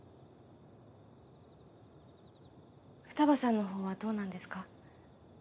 二葉さんのほうはどうなんですか？